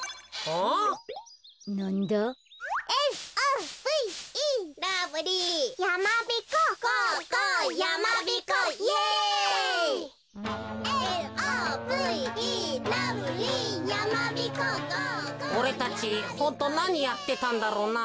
おれたちホントなにやってたんだろうな。